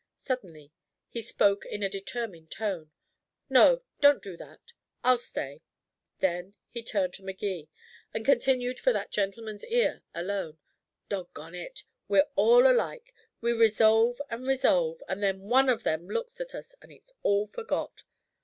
Suddenly he spoke in a determined tone: "No don't do that. I'll stay." Then he turned to Magee, and continued for that gentleman's ear alone: "Dog gone it, we're all alike. We resolve and resolve, and then one of them looks at us, and it's all forgot.